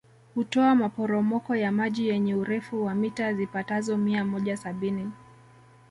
Hutoa maporomoko ya maji yenye urefu wa mita zipatazo mia moja sabini